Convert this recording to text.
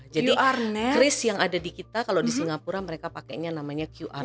jadi criss yang ada di kita kalau di singapura mereka pakainya namanya qr nets